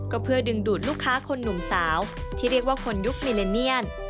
ก็เพื่อดึงดูดลูกค้าคนหนุ่มสาวที่เรียกว่าคนยุคมิเลเนียน